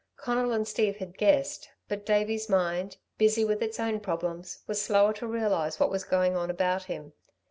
Conal and Steve had guessed, but Davey's mind, busy with its own problems, was slower to realise what was going on about him.